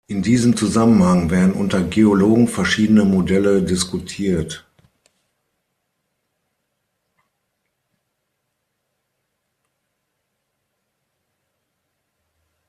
In diesem Zusammenhang werden unter Geologen verschiedene Modelle diskutiert.